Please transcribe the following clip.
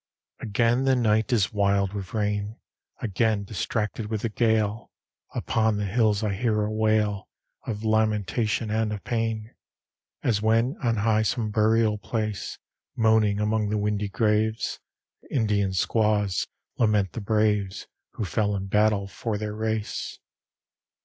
LVIII Again the night is wild with rain; Again distracted with the gale: Upon the hills I hear a wail Of lamentation and of pain, As when, on some high burial place, Moaning among the windy graves, The Indian squaws lament the braves, Who fell in battle for their race.